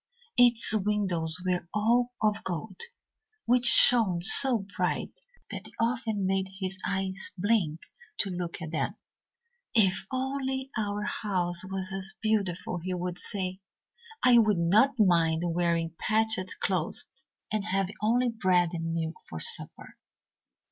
Its windows were all of gold, which shone so bright that it often made his eyes blink to look at them. 'If only our house was as beautiful,' he would say. 'I would not mind wearing patched clothes and having only bread and milk for supper.'